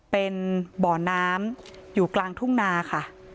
เป็นบ่อน้ำอยู่กลางทุ่งนาค่ะ